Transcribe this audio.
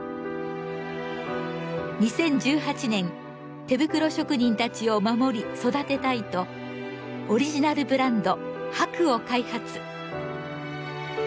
２０１８年手袋職人たちを守り育てたいとオリジナルブランド佩を開発。